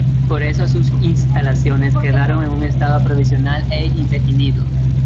Por eso sus instalaciones quedaron en un estado provisional e indefinido.